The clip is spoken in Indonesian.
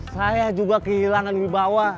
saya juga kehilangan wibawa